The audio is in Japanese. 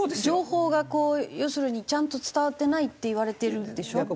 情報がこう要するにちゃんと伝わってないっていわれてるでしょ？